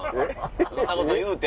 そんなこと言うて！